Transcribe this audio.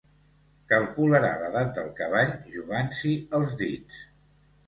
Calcularà l'edat del cavall jugant-s'hi els dits.